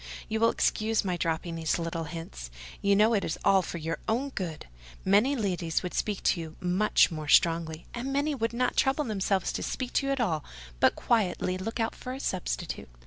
You will excuse my dropping these little hints: you know it is all for your own good. Many ladies would speak to you much more strongly; and many would not trouble themselves to speak at all, but quietly look out for a substitute.